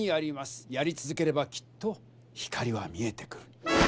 やりつづければきっと光は見えてくる。